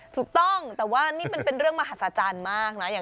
ถูกต้องแต่ว่านี่มันเป็นเรื่องมหัศจรรย์มากนะ